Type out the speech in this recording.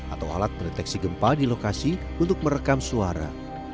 atau alat pendeteksi gempa di lokasi untuk merekam suara